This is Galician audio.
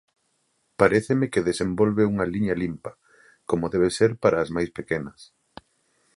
Paréceme que desenvolve unha liña limpa, como debe ser para as máis pequenas.